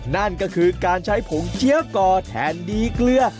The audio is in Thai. นั่นก็คือการใช้ผงเจี๊ยวก่อแทนดีเกลือ